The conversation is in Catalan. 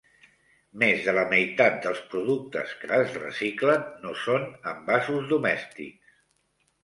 Més de la meitat dels productes que es reciclen no són envasos domèstics.